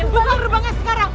buatnya berubah sekarang